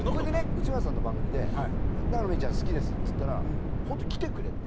内村さんの番組で「永野芽郁ちゃん好きです」っつったら本当に来てくれて。